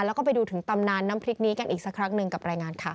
แล้วก็ไปดูถึงตำนานน้ำพริกนี้กันอีกสักครั้งหนึ่งกับรายงานค่ะ